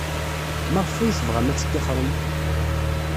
Maɣef ay tebɣam ad tettixrem?